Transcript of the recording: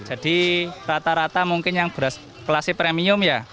jadi rata rata mungkin yang beras kelasi premium ya